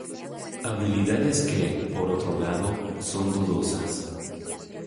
Habilidades que, por otro lado, son dudosas.